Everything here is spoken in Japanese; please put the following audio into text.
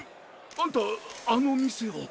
あんたあの店を。